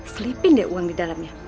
selipin deh uang di dalamnya